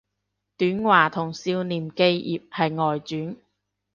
短話同少年寄葉係外傳